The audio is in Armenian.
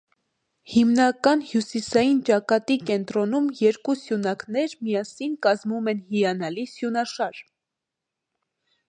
Հիմնական հյուսիսային ճակատի կենտրոնում երկու սյունակներ միասին կազմում են հիանալի սյունաշար։